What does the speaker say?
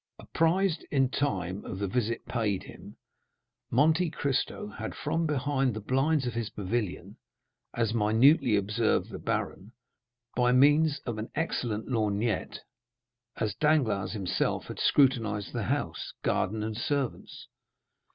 Apprised in time of the visit paid him, Monte Cristo had, from behind the blinds of his pavilion, as minutely observed the baron, by means of an excellent lorgnette, as Danglars himself had scrutinized the house, garden, and servants.